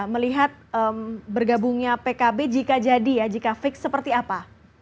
melihat bergabungnya pkb jika jadi ya jika fix seperti apa